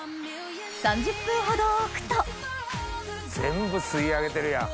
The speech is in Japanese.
３０分ほど置くと全部吸い上げてるやん。